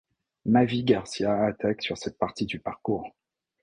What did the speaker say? Mavi Garcia attaque sur cette partie du parcours.